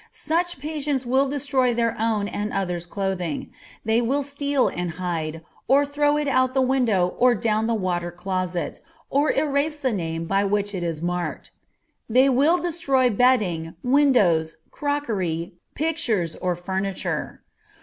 Such patients will destroy their own or others clothing, they will steal and hide, or throw it out the window or down the water closet, or erase the name by which it is marked. They will destroy bedding, windows, crockery, pictures, or furniture.